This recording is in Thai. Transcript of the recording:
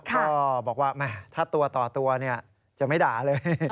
ก็บอกว่าถ้าตัวต่อตัวจะไม่ด่าเลย